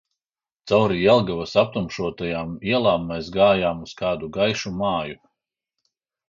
Cauri Jelgavas aptumšotajām ielām mēs gājām uz kādu gaišu māju.